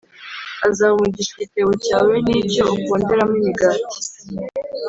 azaha umugisha igitebo cyawe+ n’icyo uponderamo imigati.